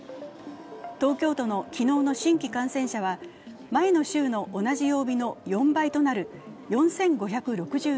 東京都の昨日の新規感染者は前の週の同じ曜日の４倍となる４５６１人。